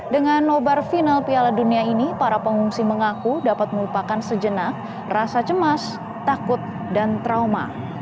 dengan nobar final piala dunia ini para pengungsi mengaku dapat melupakan sejenak rasa cemas takut dan trauma